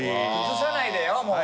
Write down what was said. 崩さないでよもう。